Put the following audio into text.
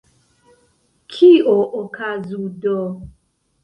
Kio okazu do?